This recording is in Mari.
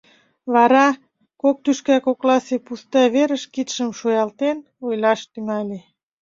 Вара, кок тӱшка кокласе пуста верыш кидшым шуялтен, ойлаш тӱҥале.